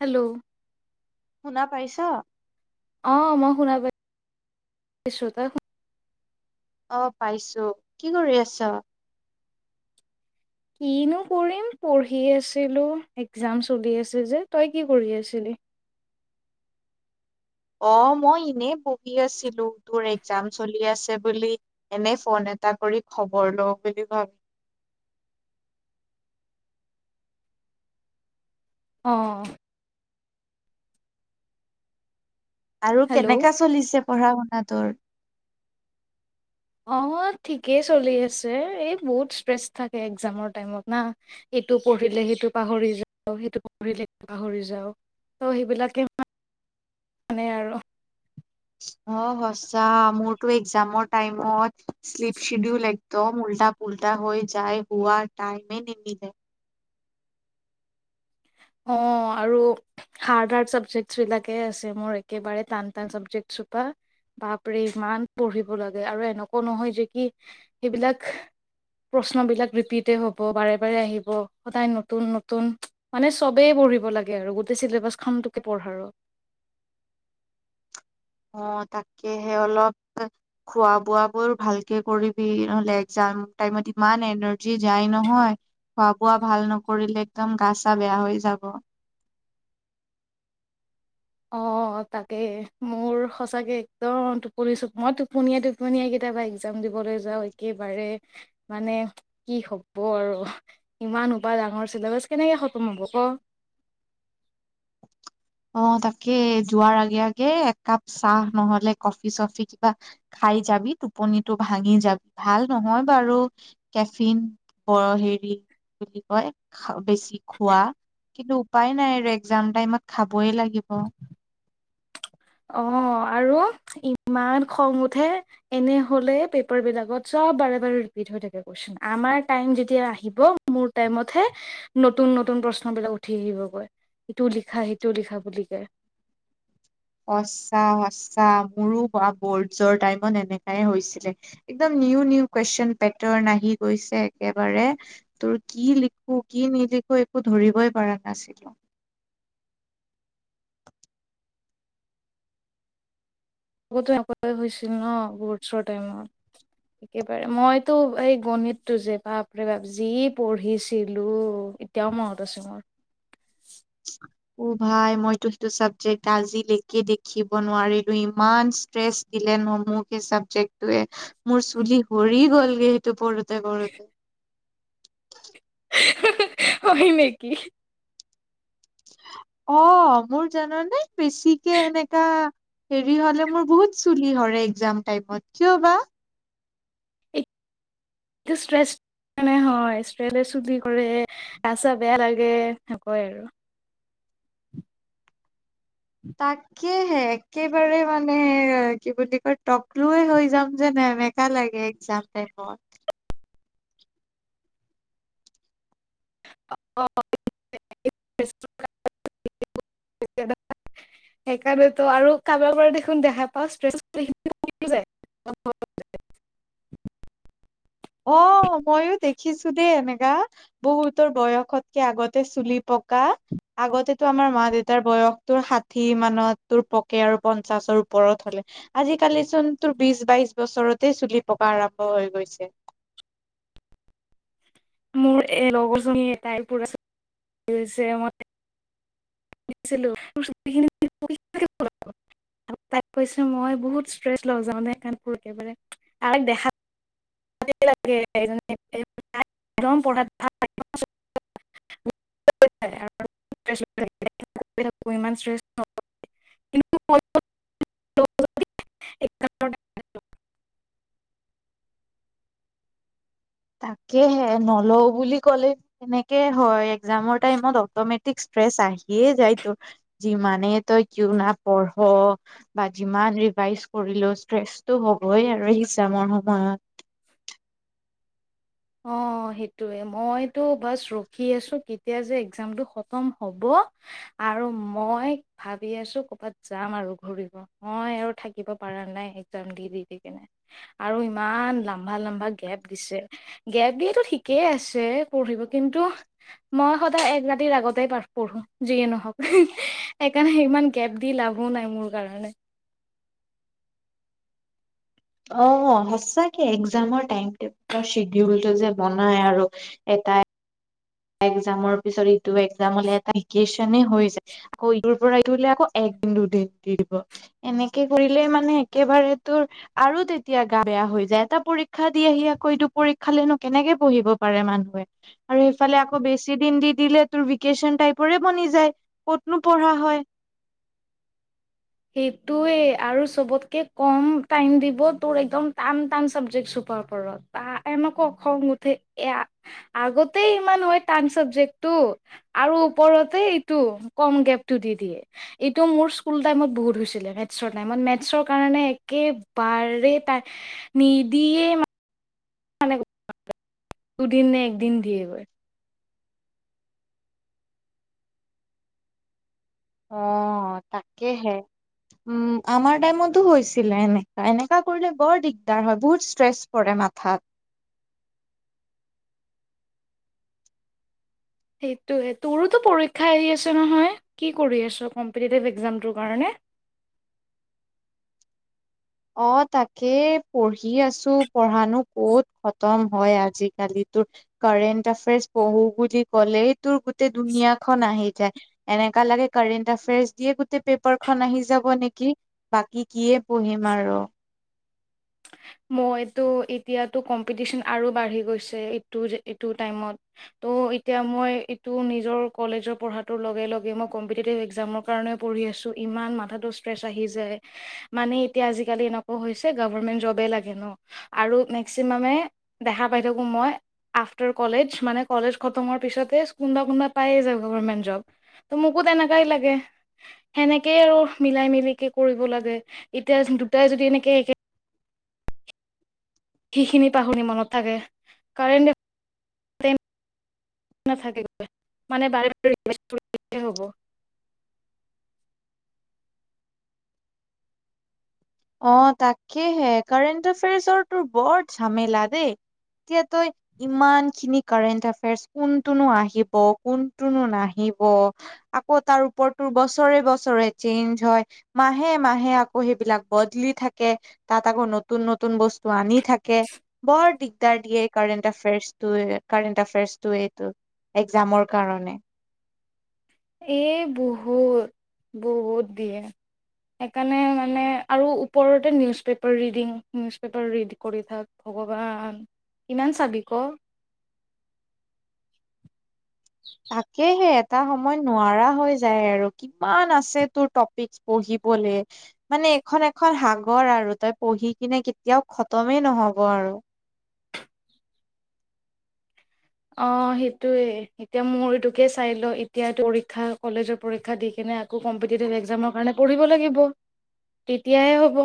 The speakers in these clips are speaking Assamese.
হেল্ল, শুনা পাইছা? অ, মই শুনা পায়-চো তই অ, পাইছো। কি কৰি আছা? কিনো কৰিম, পঢ়ি আছিলো, একজাম চলি আছে যে, তই কি কৰি আছিলি? অ, মই এনে বহি আছিলো, তোৰ একজাম চলি আছে বুলি এনে, ফোন এটা কৰি খবৰ লওঁ বুলি ভাবি অ, আৰু হেল্ল' কেনেকা চলিছে, পঢ়া-শুনা তোৰ? অ, ঠিকেই চলি আছে, এই বহুত ষ্ট্ৰেচ থাকে একজামৰ টাইমত না। এইটো পঢ়িলে সেইটো পাহৰি যাও, সেইটো পঢ়িলে সেইটো পাহৰি যাও ত, সেইবিলাকে মানে মানে, আৰু অ, সঁচা মোৰতো মোৰটোৱে একজামৰ টাইমত শ্লিপ চিদিউল দম, উল্টা, পুল্টা হৈ যায় হোৱা টাইমে নিমিলে। অ, আৰু হাৰ্ড, হাৰ্ড চাবজেকট বিলাকে আছে মোৰ একেবাৰে টান টান চাবজেক্ট সোপা। বাপৰে ইমান পঢ়িব লাগে আৰু এনেকুৱা নহয় যে কি, সেইবিলাক প্ৰশ্ন বিলাক ৰিপিট হ'ব বাৰে, বাৰে, আহিব। সদায় নতুন নতুন মানে সবেই পঢ়িব লাগে আৰু গোটেই চিলেবাচ খনটোকে পঢ়া আৰু। অ, তাকেহে অলপ খোৱা বোৱাবোৰ ভালকে কৰিবি নহলে, এক্জাম টাইমত ইমান এনাৰ্জি যায় নহয়। খোৱা-বোৱা ভাল নকৰিলে একদম গা, চা বেয়া হৈ যাব। অ, তাকে মোৰ সঁচাকে একদম টোপনিছো মই টোপনিয়টো টোপনিয়াই কেইতিয়াবা এক্শজাম দিবলৈ যাওঁ, একেবাৰে মানে কি হ'ব আৰু। ইমান হোপা ডাঙৰ চিলেবাছ, কেনেকৈ খতম হ'ব ক'। অ', তাকে যোৱাৰ আগে, আগে একাপ চাহ নহ'লে কফি চফি কিবা খাই যাবি, টোপনিটো ভাঙি যাব-ভাল নহয় বাৰু। কেফিন বৰ হেৰি কি বুলি কয় বেছি খোৱা। কিন্তু উপায় নাই, আৰু একজাম টাইমত খাবই লাগিব। অ', আৰু! ইমান খং উঠে এনে হ'লে পেপাৰ বিলাকত চব বাৰে, বাৰে ৰিপিট হৈ থাকে কোৱেচন। আমাৰ টাইম যেতিয়া আহিব, মোৰ টাইমত হে নতুন, নতুন প্ৰশ্নবিলাক উঠি আহিব গৈ, ইটো লিখা, সিটো লিখা বুলি কয়। সঁচা, সঁচা মোৰো বৰ্ডজৰ টাইমত এনেকাই হৈছিলে। একদম নিউ, নিউ কুৱেচন পেটাৰ্ণ আহি গৈছে একেবাৰে। তোৰ কি লিখো, কি নিলিখো একো ধৰিবই পৰা নাছিলোঁ। আগতো এনেকুৱাই হৈছিল ন' বৰ্ডছৰ টাইমত! একেবাৰে মইতো এই গণিতটো যে বাপৰে বাপ, যি পঢ়িছিলোঁ। এতিয়াও মনত আছে মোৰ। [inaudible] অ', ভাই মইতো সেইটো চাবজেক্ট আজিলৈকে দেখিব নোৱাৰিলো, ইমান ষ্ট্ৰেছ। দিলে ন' মোক সেই চাবজেক্টোয়ে। মোৰ চুলি সৰি গ'লগে সেইটো পঢ়োতে, পঢ়োতে। [unintelligible] হয় নেকি? অ', মোৰ জানানে বেছিকে এনেকা হেৰি হ'লে মোৰ বহুত চুলি সৰে একজাম টাইমত। কিয় বা? এইটো ষ্ট্ৰেছ [unintelligible] হয়, স্প্ৰেলে চুলি কৰে গা চা বেয়া লাগে [unintelligible] আৰু। তা কেহে একেবাৰে মানে, কি বুলি কয় টকলোয়ে হৈ যাম যেন এনেকা লাগে একজাম টাইমত। [inaudible] [unintelligible] সেইকাৰণেতো আৰু। কাৰবাৰ পৰা দেখোঁন দেখা পাওঁ [unintelligible] [inaudible] অ', ময়ো দেখিছোঁ দেই এনেকা। বহুতৰ বয়সতকে আগতে চুলি পকা। আগতেতো আমাৰ মা দেউতাৰ বয়স তোৰ ষাঠি মানত তোৰ পকে আৰু পঞ্চাশৰ ওপৰত হ'লে। আজিকালি চোন তোৰ বিশ বাইশ বছৰতে চুলি পকা আৰম্ভ হৈ গৈছে। মোৰ এ, লগৰজনী এটাই [unintelligible] মই। [inaudible] আৰু তাই কৈছো মই বহুত ষ্ট্ৰেছ লওঁ [unintelligible] [inaudible] [unintelligible] ইমান ষ্ট্ৰেছ তাকেহে নলওঁ বুলি ক'লে তেনেকে হয়, একজামৰ টাইমত অটমেটিক ষ্ট্ৰেছ আহিয়ে যায় তোৰ। যিমানে তই কিউ না পঢ়। বা যিমান ৰিভাইজ কৰিলেও ষ্ট্ৰেছটো হ'বই আৰু একজামৰ সময়ত। অ', সেইটোৱে মইতো বাচ ৰখি আছোঁ কেতিয়া যে একজামটো খতম হ'ব। আৰু মই ভাবি আছোঁ কৰ'বাত যাম আৰু ঘূৰিব। মই আৰু থাকিব পাৰা নাই একজাম দি, দি কিনে। আৰু ইমান লাম্বা, লম্বা গেপ দিছে। গেপ দিয়েটো ঠিকেই আছে। পঢ়িব কিন্তু? মই সদায় এক ৰাতিৰ আগতে পাঠ পঢ়ো। যিয়ে নহওক সেইকাৰণে ইমান। গেপ দি লাভো নাই মোৰ কাৰণে। অ' সঁচাকে একজামৰ টাইম টেবুলৰ চিডিউলটো যে বনাই আৰু। এটাই। একজামৰ পিছত ইটো একজামলে হ'লে এটা ভেকেচনে হৈ যায়। আকৌ ইটোৰ পৰা ইটোলে আকৌ একদিন দুদিন দি দিব। এনেকে কৰিলেই মানে একেবাৰে তোৰ। আৰু তেতিয়া গা বেয়া হৈ যায়। এটা পৰীক্ষা দি আহি আকৌতো পৰীক্ষালেনো কেনেকে পঢ়িব পাৰে মানুহে। [inaudible] আৰু সেইফালে আকৌ বেছি দিন দি দিলে তোৰ ভেকেশচন টাইপৰে বনি যায় ক'তনো পঢ়া হয়। সেইটোৱে আৰু চবতকে কম টাইম দিব তোৰ একদম টান টান চাবজেক্ট চুপাৰপৰত। বা এনেকো খং উঠে এ আগতেই ইমান হয় টান চাবজেক্টটো। আৰু ওপৰতে এইটো কম গেপটো দি দিয়ে এইটো মোৰ স্কুল। টাইমত বহুত হৈছিলে মেথেছ টাইমত মেথেছ কাৰণে একেবাৰেই তাই। নিদিয়ে মানে। দুদিন নে একদিন দিয়ে গৈ। অ তাকেহে। উম আমাৰ টাইমতো হৈছিলে এনেকা এনেকা কৰিলে বৰ দিগদাৰ হয় বহুত ষ্ট্ৰেছ। পৰে মাথাত। সেইটোৱে হে তোৰোতো পৰীক্ষা এৰি আছে নহয়? কি কৰি আছ? কম্পিটিটিভ এক্জামটোৰ কাৰণে। অ তাকেই পঢ়ি আছো পঢ়ানো ক'ত খতম হয় আজিকালি তোৰ। কাৰেণ্ট এফেয়াৰছ পঢ়ো বুলি ক'লেই তোৰ গোতেই দুুনীয়াখনন আহি যায়। এনেকা লাগে কাৰেণ্ট এফেয়াৰ্চ দিয়ে গোটেই পেপাৰখন আহি যাব নেকি? বাকী কিয়ে পঢ়িম আৰু। মইতো এতিয়াতো কম্পিটিশন আৰু বাঢ়ি গৈছে এইটো এইটো টাইমত। ত' এতিয়া মই এইটো নিজৰ কলেজৰ পঢ়াৰ লগে লগে মই কম্পিটিভ একজামৰ। কাৰণে পঢ়ি আছোঁ ইমান মাথাটো ষ্ট্ৰেছ আহি যায়। মানে এতিয়া আজিকালি এনেকুৱা হৈছে গভমেন্ট জবে লাগে ন! আৰু মেক্সিমামে। দেখা পাই থাকো মই। আফটাৰ কলেজ মানে কলেজ খতম হোৱাৰ পিছতে কোনোবা কোনোবা পায়েই যাব গভমেণ্ট জব। ত মোকো তেনেকাই লাগে। সেনেকে আৰু মিলাই মিলিকে কৰিব লাগে এতিয়া দুটাই যদি এনেকে একে। সিখিনি পাই শুনি মনত থাকে। Current trend. নাথাকে মানে বাৰে বাৰে [unintelligible] হ'ব। অ তাকেহে কাৰেণ্ট এফেয়াৰ্চৰ তোৰ বৰ ঝামেলা দেই এতিয়া তই, ইমান খিনি কাৰেণ্ট এফেয়াৰ্চ কোনটোনো আহিব কোনটোনো নাহিব। আকৌ তাৰ ওপৰতটো বছৰে বছৰে চেঞ্জ হয় মাহে মাহে আকৌ সেইবিলাক। বদলি থাকে তাত আকৌ নতুন নতুন বস্তু আনি থাকে। বৰ দিগদাৰ দিয়ে কাৰেট এফেয়াৰ টো এফেয়াৰটো এইটো এক্জামৰ কাৰণে। এ বহুত বহুত দিয়ে। সেইকাৰণে মানে আৰু ওপৰতে newspaper reading newspaper read কৰি থাক। ভগৱান কিমান চাবি ক। তাকেহে। এটা সময় নোৱাৰা হৈ যায় আৰু কিমান আছে তোৰ টপিক্স পঢ়িবলে। মানে এইখন এখন সাগৰ আৰু তই পঢ়ি কিনে কেতিয়াও খতমেই নহ'ব আৰু। অ', সেইটোৱে। এতিয়া মোৰ এইটোকে চাই ল' এতিয়া পৰীক্ষা কলেজৰ পৰীক্ষা দি কিনে আকৌ কম্পিটেটিভ একজামৰ কাৰণে পঢ়িব লাগিব, তেতিয়াহে হ'ব।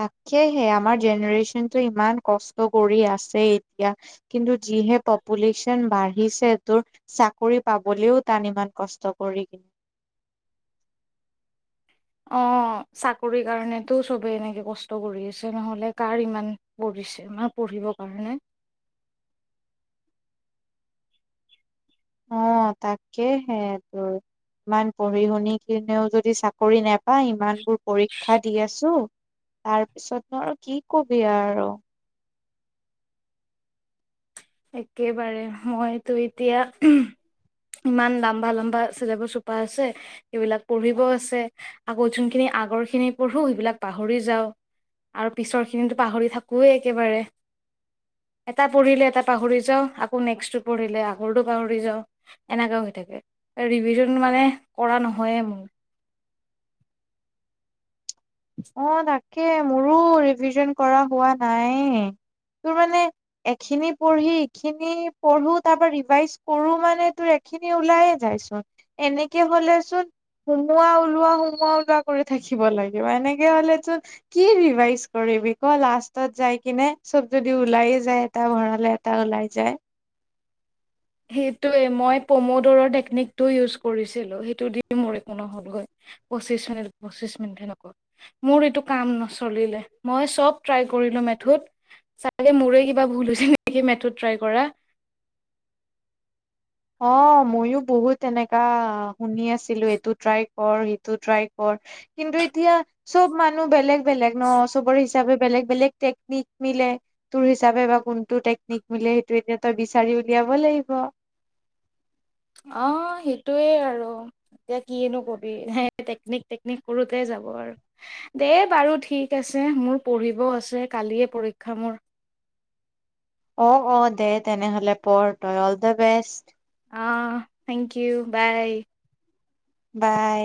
তাকেহে। আমাৰ জেনেৰে্যনতটো ইমান কষ্ট কৰি আছে এতিয়া। কিন্তু যিহে পপুলেশ্যন বাঢ়িছে তোৰ চাকৰি পাবলেও তান ইমান কষ্ট কৰি কিন্তু। অ', চাকৰি কাৰণেতো চবে এনেকে কষ্ট কৰি আছে। নহ'লে কাৰ ইমান পঢ়িছে, আমাৰ পঢ়িবৰ কাৰণে। অ', তাকেহে তোৰ। ইমান পঢ়ি-শুনি কিনেও যদি চাকৰি নোপায়, ইমানবোৰ পৰীক্ষা দি আছোঁ, তাৰপিছতনো আৰু কি কবি আৰু। একেবাৰে মইতো এতিয়া ইমান, লাম্বা-লাম্বা চিলেবাচ সোপা আছে। সেইবিলাক পঢ়িবও আছে। আকৌ যোনখিনি আগৰখিনি পঢ়ো, সেইবিলাক পাহৰি যাওঁ। আৰু পিছৰখিনিতো পাহৰি থাকোঁৱেই একেবাৰে। এটা পঢ়িলে এটা পাহৰি যাওঁ। আকৌ নেক্স্টটো পঢ়িলে আগৰটো পাহৰি যাওঁ। এনেকুৱা হৈ থাকে। ৰিভিজন মানে কৰা নহয়েই মোৰ। অ', তাকে মোৰো ৰিভিজন কৰা হোৱা নাইয়েই। তোৰ মানে এখিনি পঢ়ি, এইখিনি পঢ়োঁ। তাৰপা ৰিভাইজ কৰোঁ মানে তাৰপা খিনি ওলাইয়ে যায় চোন। এনেকে হ'লে চোন সোমোৱা ওলোৱা, সোমোৱা ওলোৱা কৰি থাকিব লাগিব। এনেকে হ'লে চোন কি ৰিভাইজ কৰিবি ক' লাষ্টত যাই কিনে চব যদি ওলাইয়ে যায়। এটা ভৰালে এটা ওলাই যায়। সেইটোৱেই মই পম'ডোৰ' টেকনিকটো ইউজ কৰিছিলোঁ। সেইটো দি মোৰ একো নহ'লগৈ। পঁচিশ মিনিট, পঁচিশ মিনিট খেনেকৈ। মোৰ এইটো কাম, নচলিলে। মই, চব, ট্ৰাই কৰিলোঁ, মেথড চাগে মোৰেই কিবা ভুল হৈছে নেকি, মেথড, ট্ৰাই কৰা। অ', মইও বহুত এনেকা শুনি আছিলোঁ, এইটো ট্ৰাই কৰ সিটো ট্ৰাই কৰ কিন্তু এতিয়া! চব মানুহ বেলেগ, বেলেগ ন'! চবৰ হিচাপে বেলেগ, বেলেগ টেকনিক মিলে। তোৰ হিচাপে বা কোনটো টেকনিক মিলে, সেইটো এতিয়া তই বিচাৰি উলিয়াব লাগিব। অ', সেইটোৱেই আৰু। এতিয়া কিনো ক'বি? সেই টেকনিক, টেকনিক কৰোঁতেই যাব আৰু। দে বাৰু, ঠিক আছে। মোৰ পঢ়িবও আছে। কালিয়ে মোৰ পৰীক্ষা। অ', অ', দে তেনেহ'লে পঢ় তই, অল দা বেষ্ট। অ', থেংক ইউ। বাই। বাই।